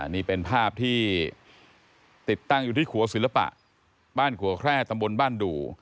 นี่เป็นภาพที่ติดตั้งอยู่ที่ขัวศิลปะบ้านขัวแคร่ตำบลบ้านดู